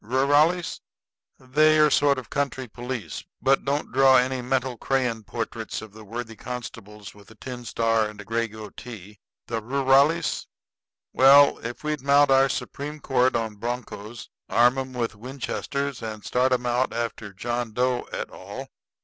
Rurales? They're a sort of country police; but don't draw any mental crayon portraits of the worthy constables with a tin star and a gray goatee. The rurales well, if we'd mount our Supreme Court on broncos, arm 'em with Winchesters, and start 'em out after John Doe et al.